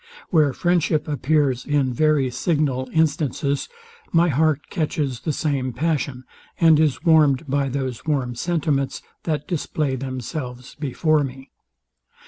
Where friendship appears in very signal instances, my heart catches the same passion, and is warmed by those warm sentiments, that display themselves before me.